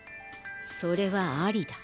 それはありだ。